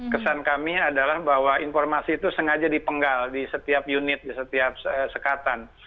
kesan kami adalah bahwa informasi itu sengaja dipenggal di setiap unit di setiap sekatan